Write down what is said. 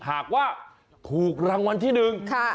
หากว่าถูกรางวัลที่หนึ่ง